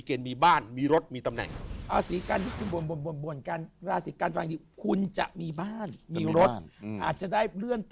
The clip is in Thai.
โรงการได้เลื่อนแฟนตำแหง